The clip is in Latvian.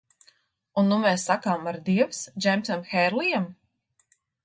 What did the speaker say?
Un nu mēs sakām ardievas Džeimsam Hērlijam?